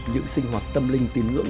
những sinh hoạt tâm linh tín ngưỡng